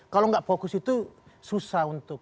kalau nggak fokus itu susah untuk